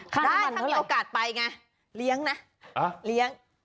ได้ถ้ามีโอกาสไปไงเลี้ยงนะเลี้ยง